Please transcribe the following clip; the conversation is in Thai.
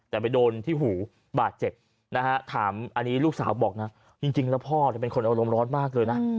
แต่ไปโดนที่หูบาดเจ็บนะฮะถามอันนี้ลูกสาวบอกนะจริงแล้วพ่อเป็นคนอารมณ์ร้อนมากเลยนะ